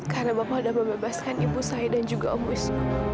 karena bapak udah membebaskan ibu saya dan juga om wiss